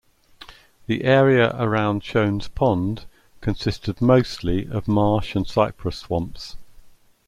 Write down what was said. The area around Shone's Pond consisted mostly of marsh and cypress swamps.